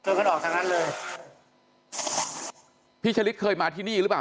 กันออกทางนั้นเลยพี่ชะลิดเคยมาที่นี่หรือเปล่า